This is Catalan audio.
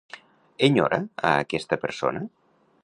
Enyora a aquesta persona?